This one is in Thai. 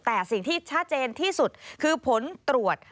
แต่สิ่งที่ชัดเจนที่สุดคือผลตรวจ